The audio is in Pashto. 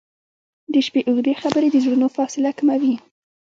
• د شپې اوږدې خبرې د زړونو فاصله کموي.